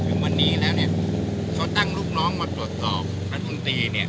ถึงวันนี้แล้วเขาตั้งลูกน้องมาตรวจสอบธรรมดี